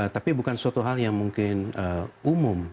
tapi bukan suatu hal yang mungkin umum